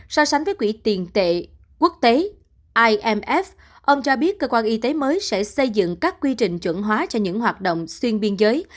so sánh với quỹ tiền tệ quốc tế imf ông cho biết cơ quan y tế mới sẽ xây dựng các quy trình chuẩn hóa cho những hoạt động xuyên biên giới